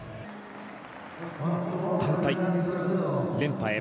団体連覇へ。